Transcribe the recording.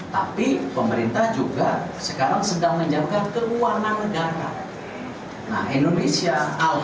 tapi pemerintah juga sekarang sedang menjaga kewarna negara